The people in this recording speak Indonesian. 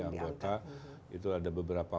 anggota itu ada beberapa